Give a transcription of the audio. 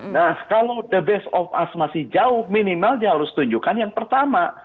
nah kalau the best of us masih jauh minimal dia harus tunjukkan yang pertama